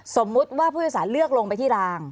สมมุติว่าผู้โดยสารเลือกลงไปที่ราง